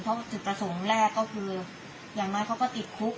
เพราะจุดประสงค์แรกก็คืออย่างน้อยเขาก็ติดคุก